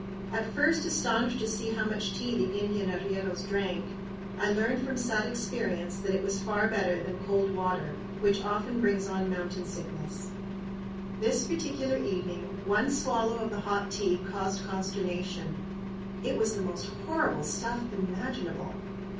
At first astonished to see how much tea the Indian arrieros drank, I learned from sad experience that it was far better than cold water, which often brings on mountain sickness. This particular evening, one swallow of the hot tea caused consternation. It was the most horrible stuff imaginable.